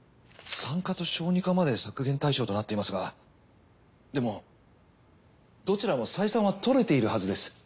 産科と小児科まで削減対象となっていますがでもどちらも採算は取れているはずです。